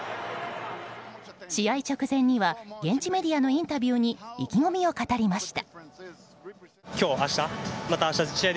試合直前には現地メディアのインタビューに意気込みを語りました。